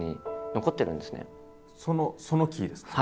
そのその木ですか？